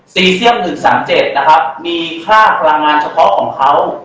เซียม๑๓๗นะครับมีค่าพลังงานเฉพาะของเขา